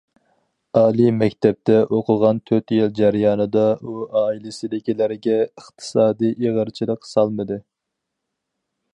ئالىي مەكتەپتە ئوقۇغان تۆت يىل جەريانىدا ئۇ ئائىلىسىدىكىلەرگە ئىقتىسادىي ئېغىرچىلىق سالمىدى.